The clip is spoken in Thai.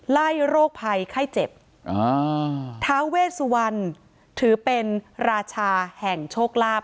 โรคภัยไข้เจ็บอ่าท้าเวสวรรณถือเป็นราชาแห่งโชคลาภ